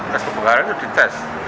tes kebugaran itu dites